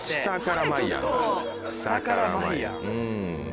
下からまいやん。